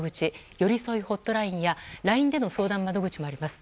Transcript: よりそいホットラインやＬＩＮＥでの相談窓口もあります。